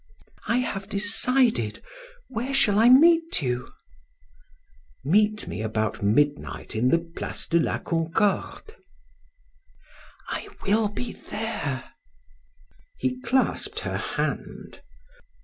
"I have decided. Where shall I meet you?" "Meet me about midnight in the Place de la Concorde." "I will be there." He clasped her hand.